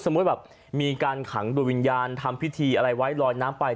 สมมุติแบบมีการขังดูลวิญญาณทำพิธีอะไรไว้ร้อยน้้ำไป